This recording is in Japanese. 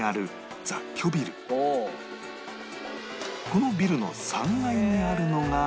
このビルの３階にあるのが